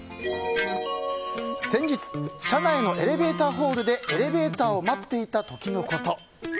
先日、社内のエレベーターホールでエレベーターを待っていた時のこと。